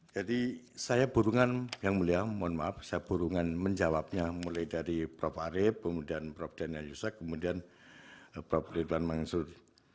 jadi saya burungan yang mulia mohon maaf saya burungan menjawabnya mulai dari prof arief kemudian prof daniel yusak kemudian prof ridwan mansur